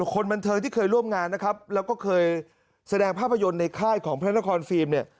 คนบันเทิงที่เคยร่วมงานนะครับแล้วก็เคยแสดงภาพยนตร์ในค่ายของพระนครฟิล์มเนี่ย